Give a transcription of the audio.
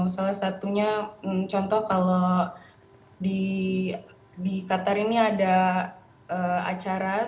salah satunya contoh kalau di qatar ini ada acara